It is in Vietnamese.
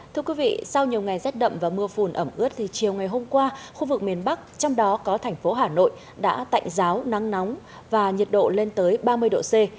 thưa quý vị sau nhiều ngày rét đậm và mưa phùn ẩm ướt thì chiều ngày hôm qua khu vực miền bắc trong đó có thành phố hà nội đã tạnh giáo nắng nóng và nhiệt độ lên tới ba mươi độ c